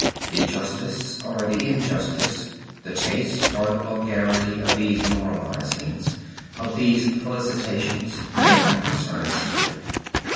The justice or the injustice, the taste or the vulgarity of these moralizings, of these felicitations, may not concern us here.